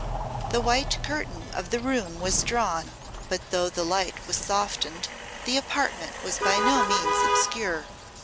The white curtain of the room was drawn; but though the light was softened, the apartment was by no means obscure.